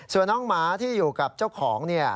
ส่วนน้องหมาที่อยู่กับเจ้าของ